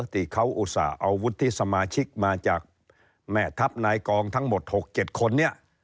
ที่เขาอุตส่าห์เอาวุฒิสมาชิกมาจากแม่ทัพนายกองทั้งหมด๖๗คนนี้